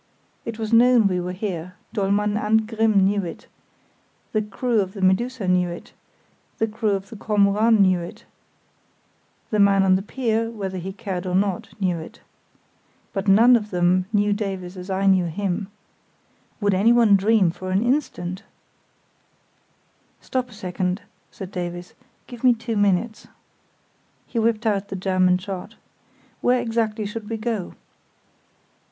It was known we were here—Dollmann and Grimm knew it; the crew of the Medusa knew it; the crew of the Kormoran knew it; the man on the pier, whether he cared or not, knew it. But none of them knew Davies as I knew him. Would anyone dream for an instant——? "Stop a second," said Davies; "give me two minutes." He whipped out the German chart. "Where exactly should we go?"